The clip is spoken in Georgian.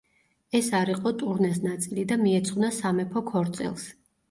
ეს არ იყო ტურნეს ნაწილი და მიეძღვნა სამეფო ქორწილს.